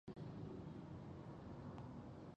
تر ښارونو یې وتلې آوازه وه